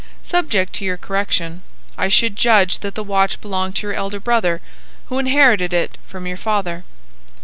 "Subject to your correction, I should judge that the watch belonged to your elder brother, who inherited it from your father."